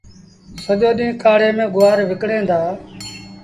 سڄو ڏيݩهݩ ڪآڙي ميݩ گُوآر وڪڻيٚن دآ